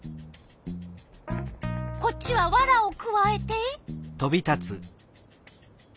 こっちはワラをくわえて。